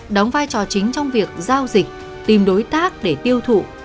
đóng vai trò chính trong việc giao dịch tìm đối tác để tiêu thụ